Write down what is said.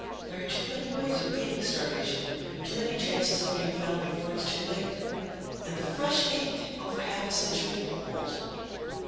There are too many ways of beating starvation, too many chances of being found before it's too late. And the fresh ink, over half a century old....